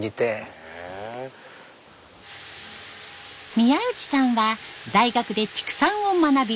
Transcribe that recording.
宮内さんは大学で畜産を学び